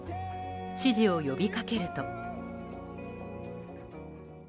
支持を呼びかけると。